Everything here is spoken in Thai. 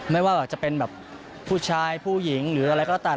ไม่ว่าจะเป็นแบบผู้ชายผู้หญิงหรืออะไรก็ตาม